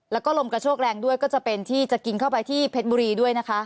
แล้วก็ลมกระโชกแรงด้วยก็จะเป็นที่จะกินเข้าไปที่เพชรบุรีด้วยนะคะ